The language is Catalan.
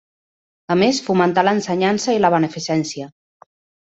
A més fomentà l'ensenyança i la beneficència.